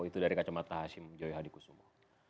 itu dari kacamata hashim joy hadi kusumo